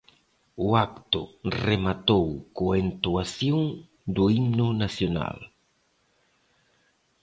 O acto rematou coa entoación do himno nacional.